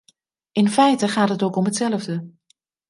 In feite gaat het ook om hetzelfde.